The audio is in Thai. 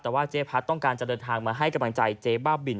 แต่ว่าเจ๊พัดต้องการจะเดินทางมาให้กำลังใจเจ๊บ้าบิน